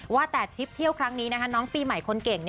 ว่าแต่ทริปเที่ยวครั้งนี้น้องปีใหม่คนเก่ง